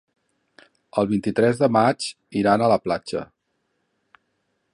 El vint-i-tres de maig iran a la platja.